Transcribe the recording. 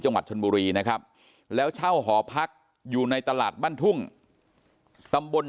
จังหวัดชนบุรีนะครับแล้วเช่าหอพักอยู่ในตลาดบ้านทุ่งตำบล